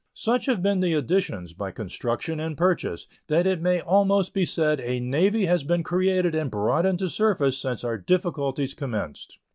Such have been the additions, by construction and purchase, that it may almost be said a navy has been created and brought into service since our difficulties commenced.